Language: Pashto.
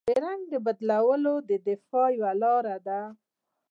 رنګ بدلول د دفاع یوه لاره ده